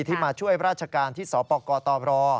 ที่มาช่วยราชการที่สปกตร